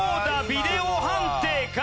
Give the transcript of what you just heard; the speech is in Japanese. ビデオ判定か？